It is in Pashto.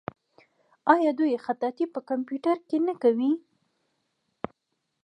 آیا دوی خطاطي په کمپیوټر کې نه کوي؟